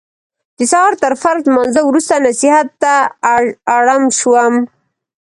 د سهار تر فرض لمانځه وروسته نصیحت ته اړم شو.